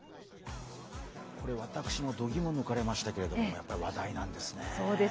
これ私も度肝抜かれましたが、やっぱり話題なんですね。